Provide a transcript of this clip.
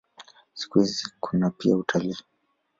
Siku hizi kuna pia utalii.